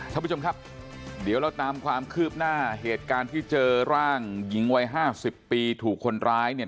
ท่านผู้ชมครับเดี๋ยวเราตามความคืบหน้าเหตุการณ์ที่เจอร่างหญิงวัยห้าสิบปีถูกคนร้ายเนี่ย